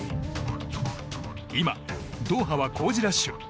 今、ドーハは工事ラッシュ。